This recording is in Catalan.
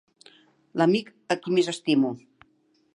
L'amic a qui més estimo!